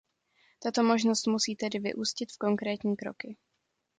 Tato možnost musí tedy vyústit v konkrétní kroky.